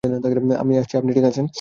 আমি আসছি - আপনি ঠিক আছেন?